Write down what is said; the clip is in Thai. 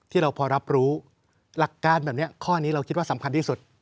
เราพอรับรู้หลักการแบบนี้ข้อนี้เราคิดว่าสำคัญที่สุด